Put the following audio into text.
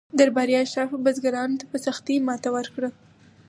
درباري اشرافو بزګرانو ته په سختۍ ماته ورکړه.